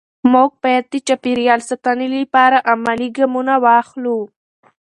موږ باید د چاپېریال ساتنې لپاره عملي ګامونه واخلو